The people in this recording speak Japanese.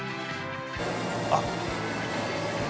あっ。